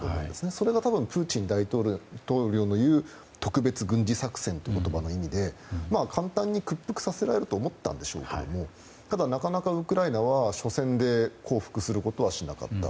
それがプーチン大統領の言う特別軍事作戦という言葉の意味で簡単に屈服させられると思ったんでしょうけどもただ、なかなかウクライナは初戦で降伏することはしなかった。